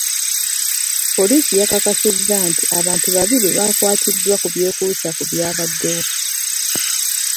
Poliisi yakakasizza nti abantu babiri baakwatiddwa ku byekuusa ku byabaddewo.